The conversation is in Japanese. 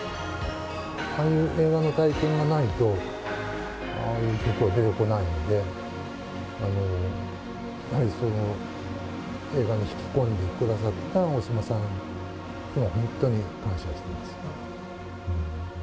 ああいう映画の体験がないと、ああいう曲は出てこないんで、やはりその映画に引き込んでくださった大島さんには、本当に感謝しています。